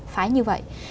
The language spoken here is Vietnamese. phải như vậy